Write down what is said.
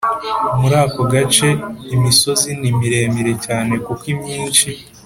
muri ako gace, imisozi ni miremire cyane kuko imyinshi